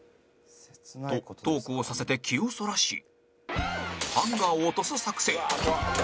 とトークをさせて気をそらしハンガーを落とす作戦